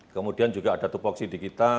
kemudian juga ada tupoksi di kita